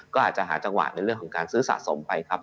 ก็อาจจะหาจังหวะในเรื่องของการซื้อสะสมไปครับ